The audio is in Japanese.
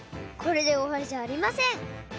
これでおわりじゃありません！